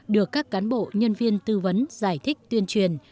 được các cán bộ nhân viên tư vấn giải thích tuyên truyền